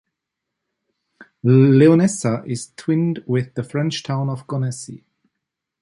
Leonessa is twinned with the French town of Gonesse.